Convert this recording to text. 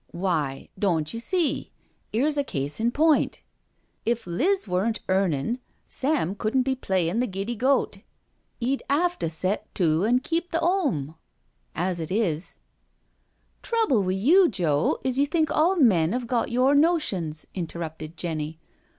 " Why, doan't you see, 'ere's a case in point? If Liz weren't earnin', Sam couldn't be playin' the giddy goat— 'e'd 'ave to set to an' keep the 'ome. As it is '•" Trouble wi' you, Joe, is you think all men 'ave got your notions," interrupted Jenny.